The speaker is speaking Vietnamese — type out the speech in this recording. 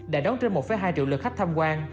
đã đón trên một hai triệu lượt khách tham quan